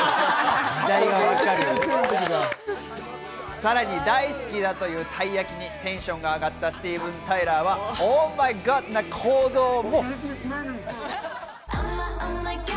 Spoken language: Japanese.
さらに大好きだという、たい焼きにテンションが上がったスティーヴン・タイラーは、ＯｈｍｙＧｏｄな行動を。